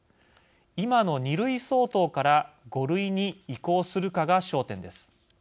今の２類相当から５類に移行するかが焦点です。